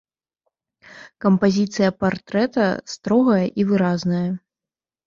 Кампазіцыя партрэта строгая і выразная.